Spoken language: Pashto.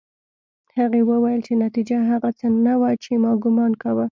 هغې وویل چې نتيجه هغه څه نه وه چې ما ګومان کاوه